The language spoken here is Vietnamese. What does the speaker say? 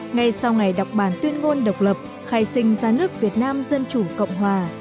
ngay sau ngày đọc bản tuyên ngôn độc lập khai sinh ra nước việt nam dân chủ cộng hòa